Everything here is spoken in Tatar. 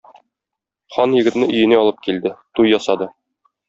Хан егетне өенә алып килде, туй ясады.